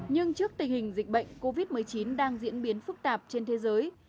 nhưng trước tình hình dịch bệnh covid một mươi chín đang diễn biến phức tạp trên thế giới